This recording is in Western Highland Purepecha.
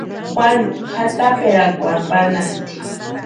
Juanu kʼataperakwarhu panhasti.